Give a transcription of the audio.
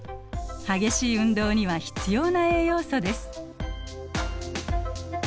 激しい運動には必要な栄養素です。